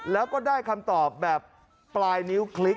แล้วก็ได้คำตอบแบบปลายนิ้วคลิก